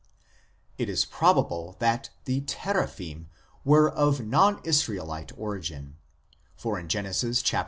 It is probable that the Teraphim were of non Israelite origin, for in Gen. xxxi.